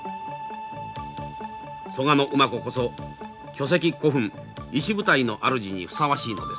蘇我馬子こそ巨石古墳石舞台の主にふさわしいのです。